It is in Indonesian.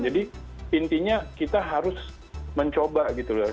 jadi intinya kita harus mencoba gitu loh